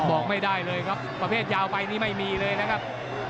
บอกไม่ได้เลยครับประเภทยาวไปนี่ไม่มีเลยนะครับ